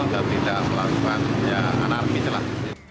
jalan normal dan tidak selalu anarkis lah